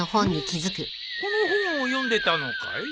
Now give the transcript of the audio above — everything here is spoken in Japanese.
この本を読んでたのかい？